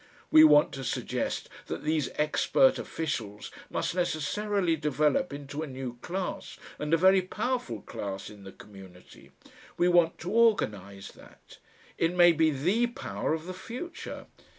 We want to suggest that these expert officials must necessarily develop into a new class and a very powerful class in the community. We want to organise that. It may be THE power of the future.